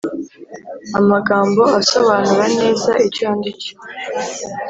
Amagambo asobanura neza icyo ndicyo